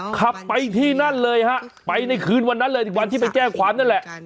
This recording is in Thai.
ขับไปที่นั่นเลยฮะไปในคืนวันนั้นเลยวันที่ไปแจ้งความนั่นแหละ